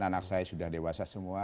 anak saya sudah dewasa semua